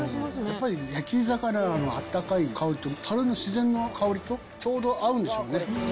やっぱり焼き魚のあったかい香りと、たるの自然な香りと、ちょうど合うんでしょうね。